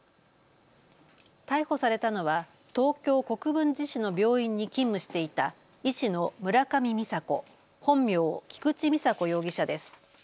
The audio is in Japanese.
逮捕されたのは東京国分寺市の病院に勤務していた医師の村上美佐子、本名、菊池美佐子容疑者です。